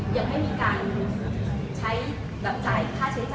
ยังไม่มีมีการใช้ค่าใช้จ่ายอะไรนะค่ะ